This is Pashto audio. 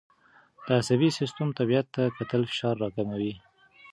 د عصبي سیستم طبیعت ته کتل فشار راکموي.